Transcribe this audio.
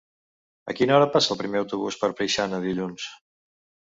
A quina hora passa el primer autobús per Preixana dilluns?